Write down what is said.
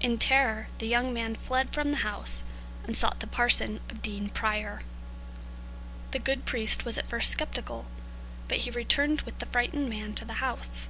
In terror the young man fled from the house, and sought the parson of Dean Prior. The good priest was at first sceptical, but he returned with the frightened man to the house.